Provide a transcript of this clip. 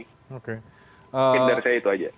mungkin dari saya itu aja